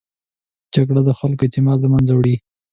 جګړه د خلکو اعتماد له منځه وړي